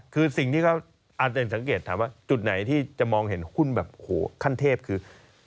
คือสิ่งที่เขาอาจจะสังเกตถามว่าจุดไหนที่จะมองเห็นหุ้นแบบโอ้โหขั้นเทพคือ